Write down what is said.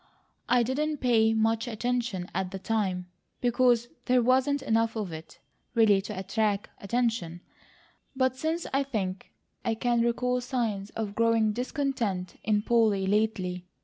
"I didn't pay much attention at the time, because there wasn't enough of it really to attract attention; but since I think, I can recall signs of growing discontent in Polly, lately.